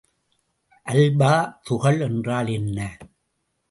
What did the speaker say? Alpha துகள் என்றால் என்ன?